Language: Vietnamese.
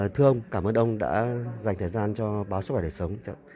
thưa ông cảm ơn ông đã dành thời gian cho báo sức khỏe đời sống